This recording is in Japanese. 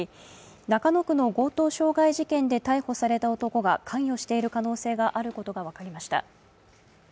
中野区の強盗傷害事件で逮捕された男が関与している可能性があることが分かりました。